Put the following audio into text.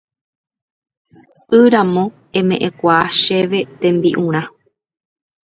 ỹramo eme'ẽkuaa chéve tembi'urã